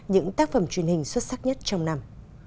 những tác phẩm truyền hình xuất sắc nhất trong năm